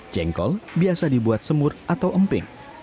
jengkol biasa dibuat semur atau emping